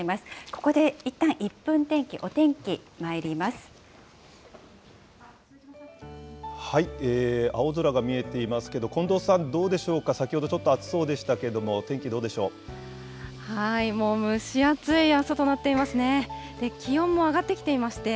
ここでいったん、１分天気、お天青空が見えていますけど、近藤さん、どうでしょうか、先ほどちょっと暑そうでしたけども、天もう蒸し暑い朝となっていますね。